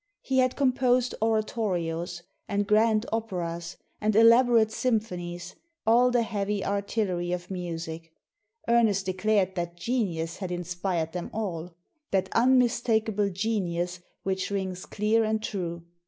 He had composed oratorios, and grand operas, and elaborate symphonies — all the heavy artillery of music. Ernest declared that genius had in spired them all — that unmistakable genius which rings clear and true.